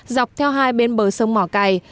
dọc theo hai bên bờ sông mỏ cày